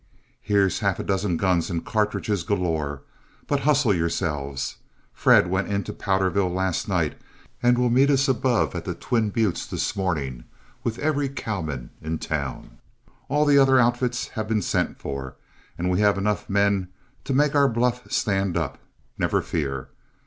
Here's half a dozen guns and cartridges galore, but hustle yourselves. Fred went into Powderville last night and will meet us above at the twin buttes this morning with every cowman in town. All the other outfits have been sent for, and we'll have enough men to make our bluff stand up, never fear.